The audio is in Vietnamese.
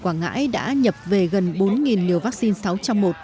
quảng ngãi đã nhập về gần bốn liều vaccine sáu trong một